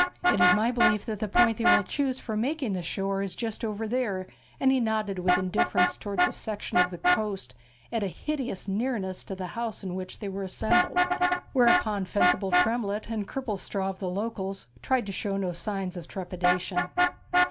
'It is my belief that the point they will choose for making the shore is just over there,' and he nodded with indifference towards a section of the coast at a hideous nearness to the house in which they were assembled, whereupon Fencible Tremlett, and Cripplestraw of the Locals, tried to show no signs of trepidation.